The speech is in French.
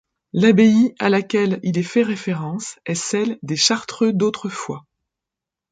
L'abbaye à laquelle il est fait référence est celle des Chartreux d'autrefois.